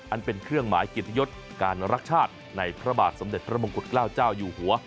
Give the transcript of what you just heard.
อันเป็นเครื่องหมายเกียรติยศการรักชาติในพระบาทสมเด็จพระมงกุฎเกล้าเจ้าอยู่หัว